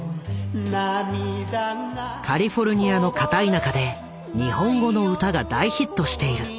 カリフォルニアの片田舎で日本語の歌が大ヒットしている。